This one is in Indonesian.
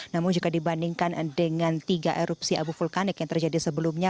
namun jika dibandingkan dengan tiga erupsi abu vulkanik yang terjadi sebelumnya